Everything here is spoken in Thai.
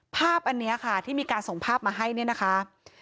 ภาพอันนี้ค่ะที่มีการส่งภาพมาให้เนี่ยนะคะ